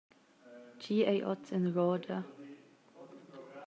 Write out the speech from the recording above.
Tgi ei oz en roda?